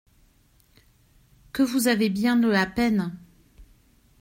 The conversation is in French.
Que vous avez bien de la peine.